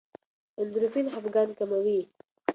اندورفین خپګان کموي.